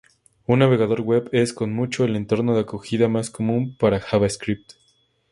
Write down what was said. Un navegador web es, con mucho, el entorno de acogida más común para JavaScript.